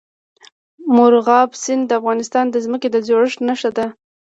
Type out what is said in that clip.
مورغاب سیند د افغانستان د ځمکې د جوړښت نښه ده.